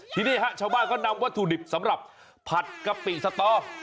นี่ฮะชาวบ้านเขานำวัตถุดิบสำหรับผัดกะปิสตอ